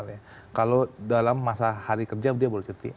kalau dalam masa hari kerja dia boleh cuti kalau dalam masa hari kerja dia boleh cuti